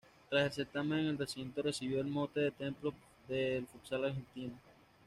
Tras el certamen, el recinto recibió el mote de Templo del Futsal Argentino.